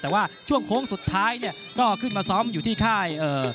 แต่ว่าช่วงโค้งสุดท้ายเนี่ยก็ขึ้นมาซ้อมอยู่ที่ค่ายเอ่อ